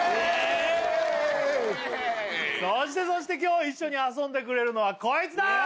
そしてそして今日一緒に遊んでくれるのはこいつだ！